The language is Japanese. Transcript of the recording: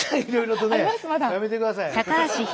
やめてください。